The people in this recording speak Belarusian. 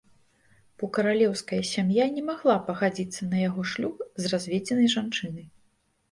Бо каралеўская сям'я не магла пагадзіцца на яго шлюб з разведзенай жанчынай.